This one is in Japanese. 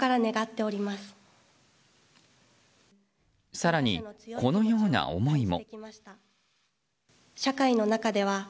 更に、このような思いも。